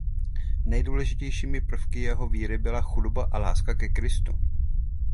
Nejdůležitějšími prvky jeho víry byla chudoba a láska ke Kristu.